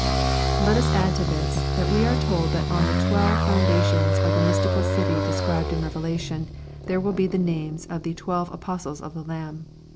Let us add to this, that we are told that on the twelve founda tions of the mystical city described in Revelation, there were the names of the " twelve apostles of the Lamb."